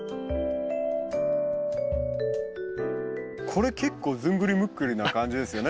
これ結構ずんぐりむっくりな感じですよね。